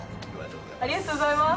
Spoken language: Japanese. ありがとうございます！